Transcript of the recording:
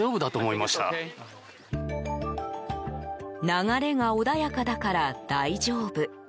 流れが穏やかだから大丈夫。